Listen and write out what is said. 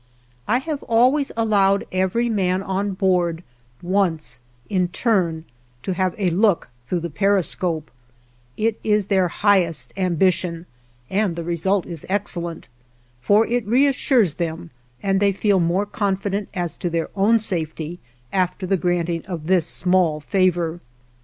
I have always allowed every man on board once, in turn, to have a look through the periscope; it is their highest ambition, and the result is excellent, for it reassures them and they feel more confident as to their own safety after the granting of this small favor.